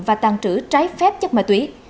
và tăng trữ trái phép chất ma túy